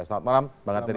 selamat malam bang arteria